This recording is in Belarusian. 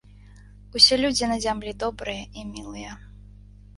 Усе людзі на зямлі добрыя і мілыя.